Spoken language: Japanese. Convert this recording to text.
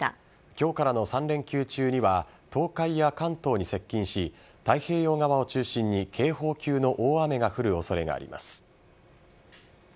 今日からの３連休中には東海や関東に接近し太平洋側を中心に警報級の大雨が降る恐れがあります。